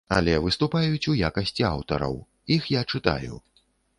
Але выступаюць у якасці аўтараў, іх я чытаю.